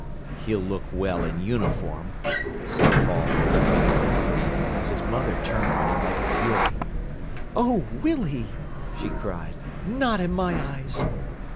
"He'll look well in uniform," said Paul irritatingly. His mother turned on him like a fury. "Oh, will he!" she cried. "Not in my eyes!"